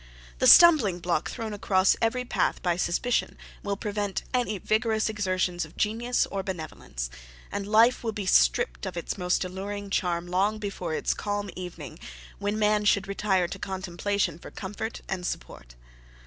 The stumbling block thrown across every path by suspicion, will prevent any vigorous exertions of genius or benevolence, and life will be stripped of its most alluring charm long before its calm evening, when man should retire to contemplation for comfort and support.